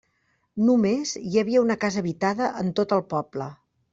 Només hi havia una casa habitada en tot el poble.